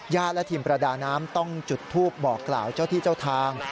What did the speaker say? และทีมประดาน้ำต้องจุดทูปบอกกล่าวเจ้าที่เจ้าทาง